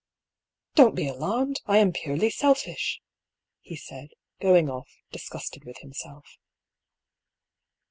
" Don't be alarmed ! I am purely selfish !" he said, going oflf disgusted with himself.